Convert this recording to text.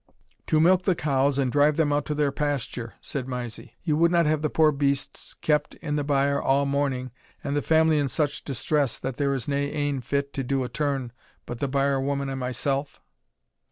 "To milk the cows, and drive them out to their pasture," said Mysie; "you would not have the poor beasts kept in the byre a' morning, and the family in such distress, that there is na ane fit to do a turn but the byre woman and myself?"